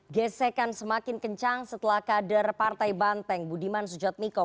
gesekan semakin kencang setelah kader partai banteng budiman sujatmiko